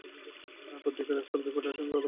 পত্রিকার স্টাফ রিপোর্টারের সঙ্গে কথা বলেছেন।